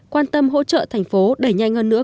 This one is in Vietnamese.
quan tâm hỗ trợ thành phố đẩy nhanh hơn nữa